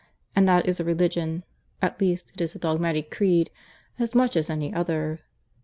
And that is a religion at least it is a dogmatic creed as much as any other.